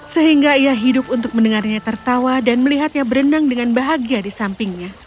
sehingga ia hidup untuk mendengarnya tertawa dan melihatnya berenang dengan bahagia di sampingnya